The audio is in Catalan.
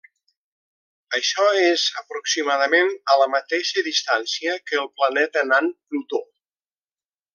Això és aproximadament a la mateixa distància que el planeta nan Plutó.